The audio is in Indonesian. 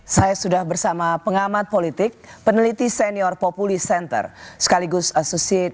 saya sudah bersama pengamat politik peneliti senior populi center sekaligus associate